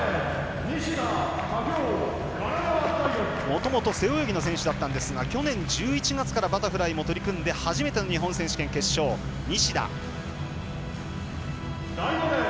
もともと背泳ぎの選手だったんですが去年１１月からバタフライも取り組んで初めての日本選手権決勝、西田。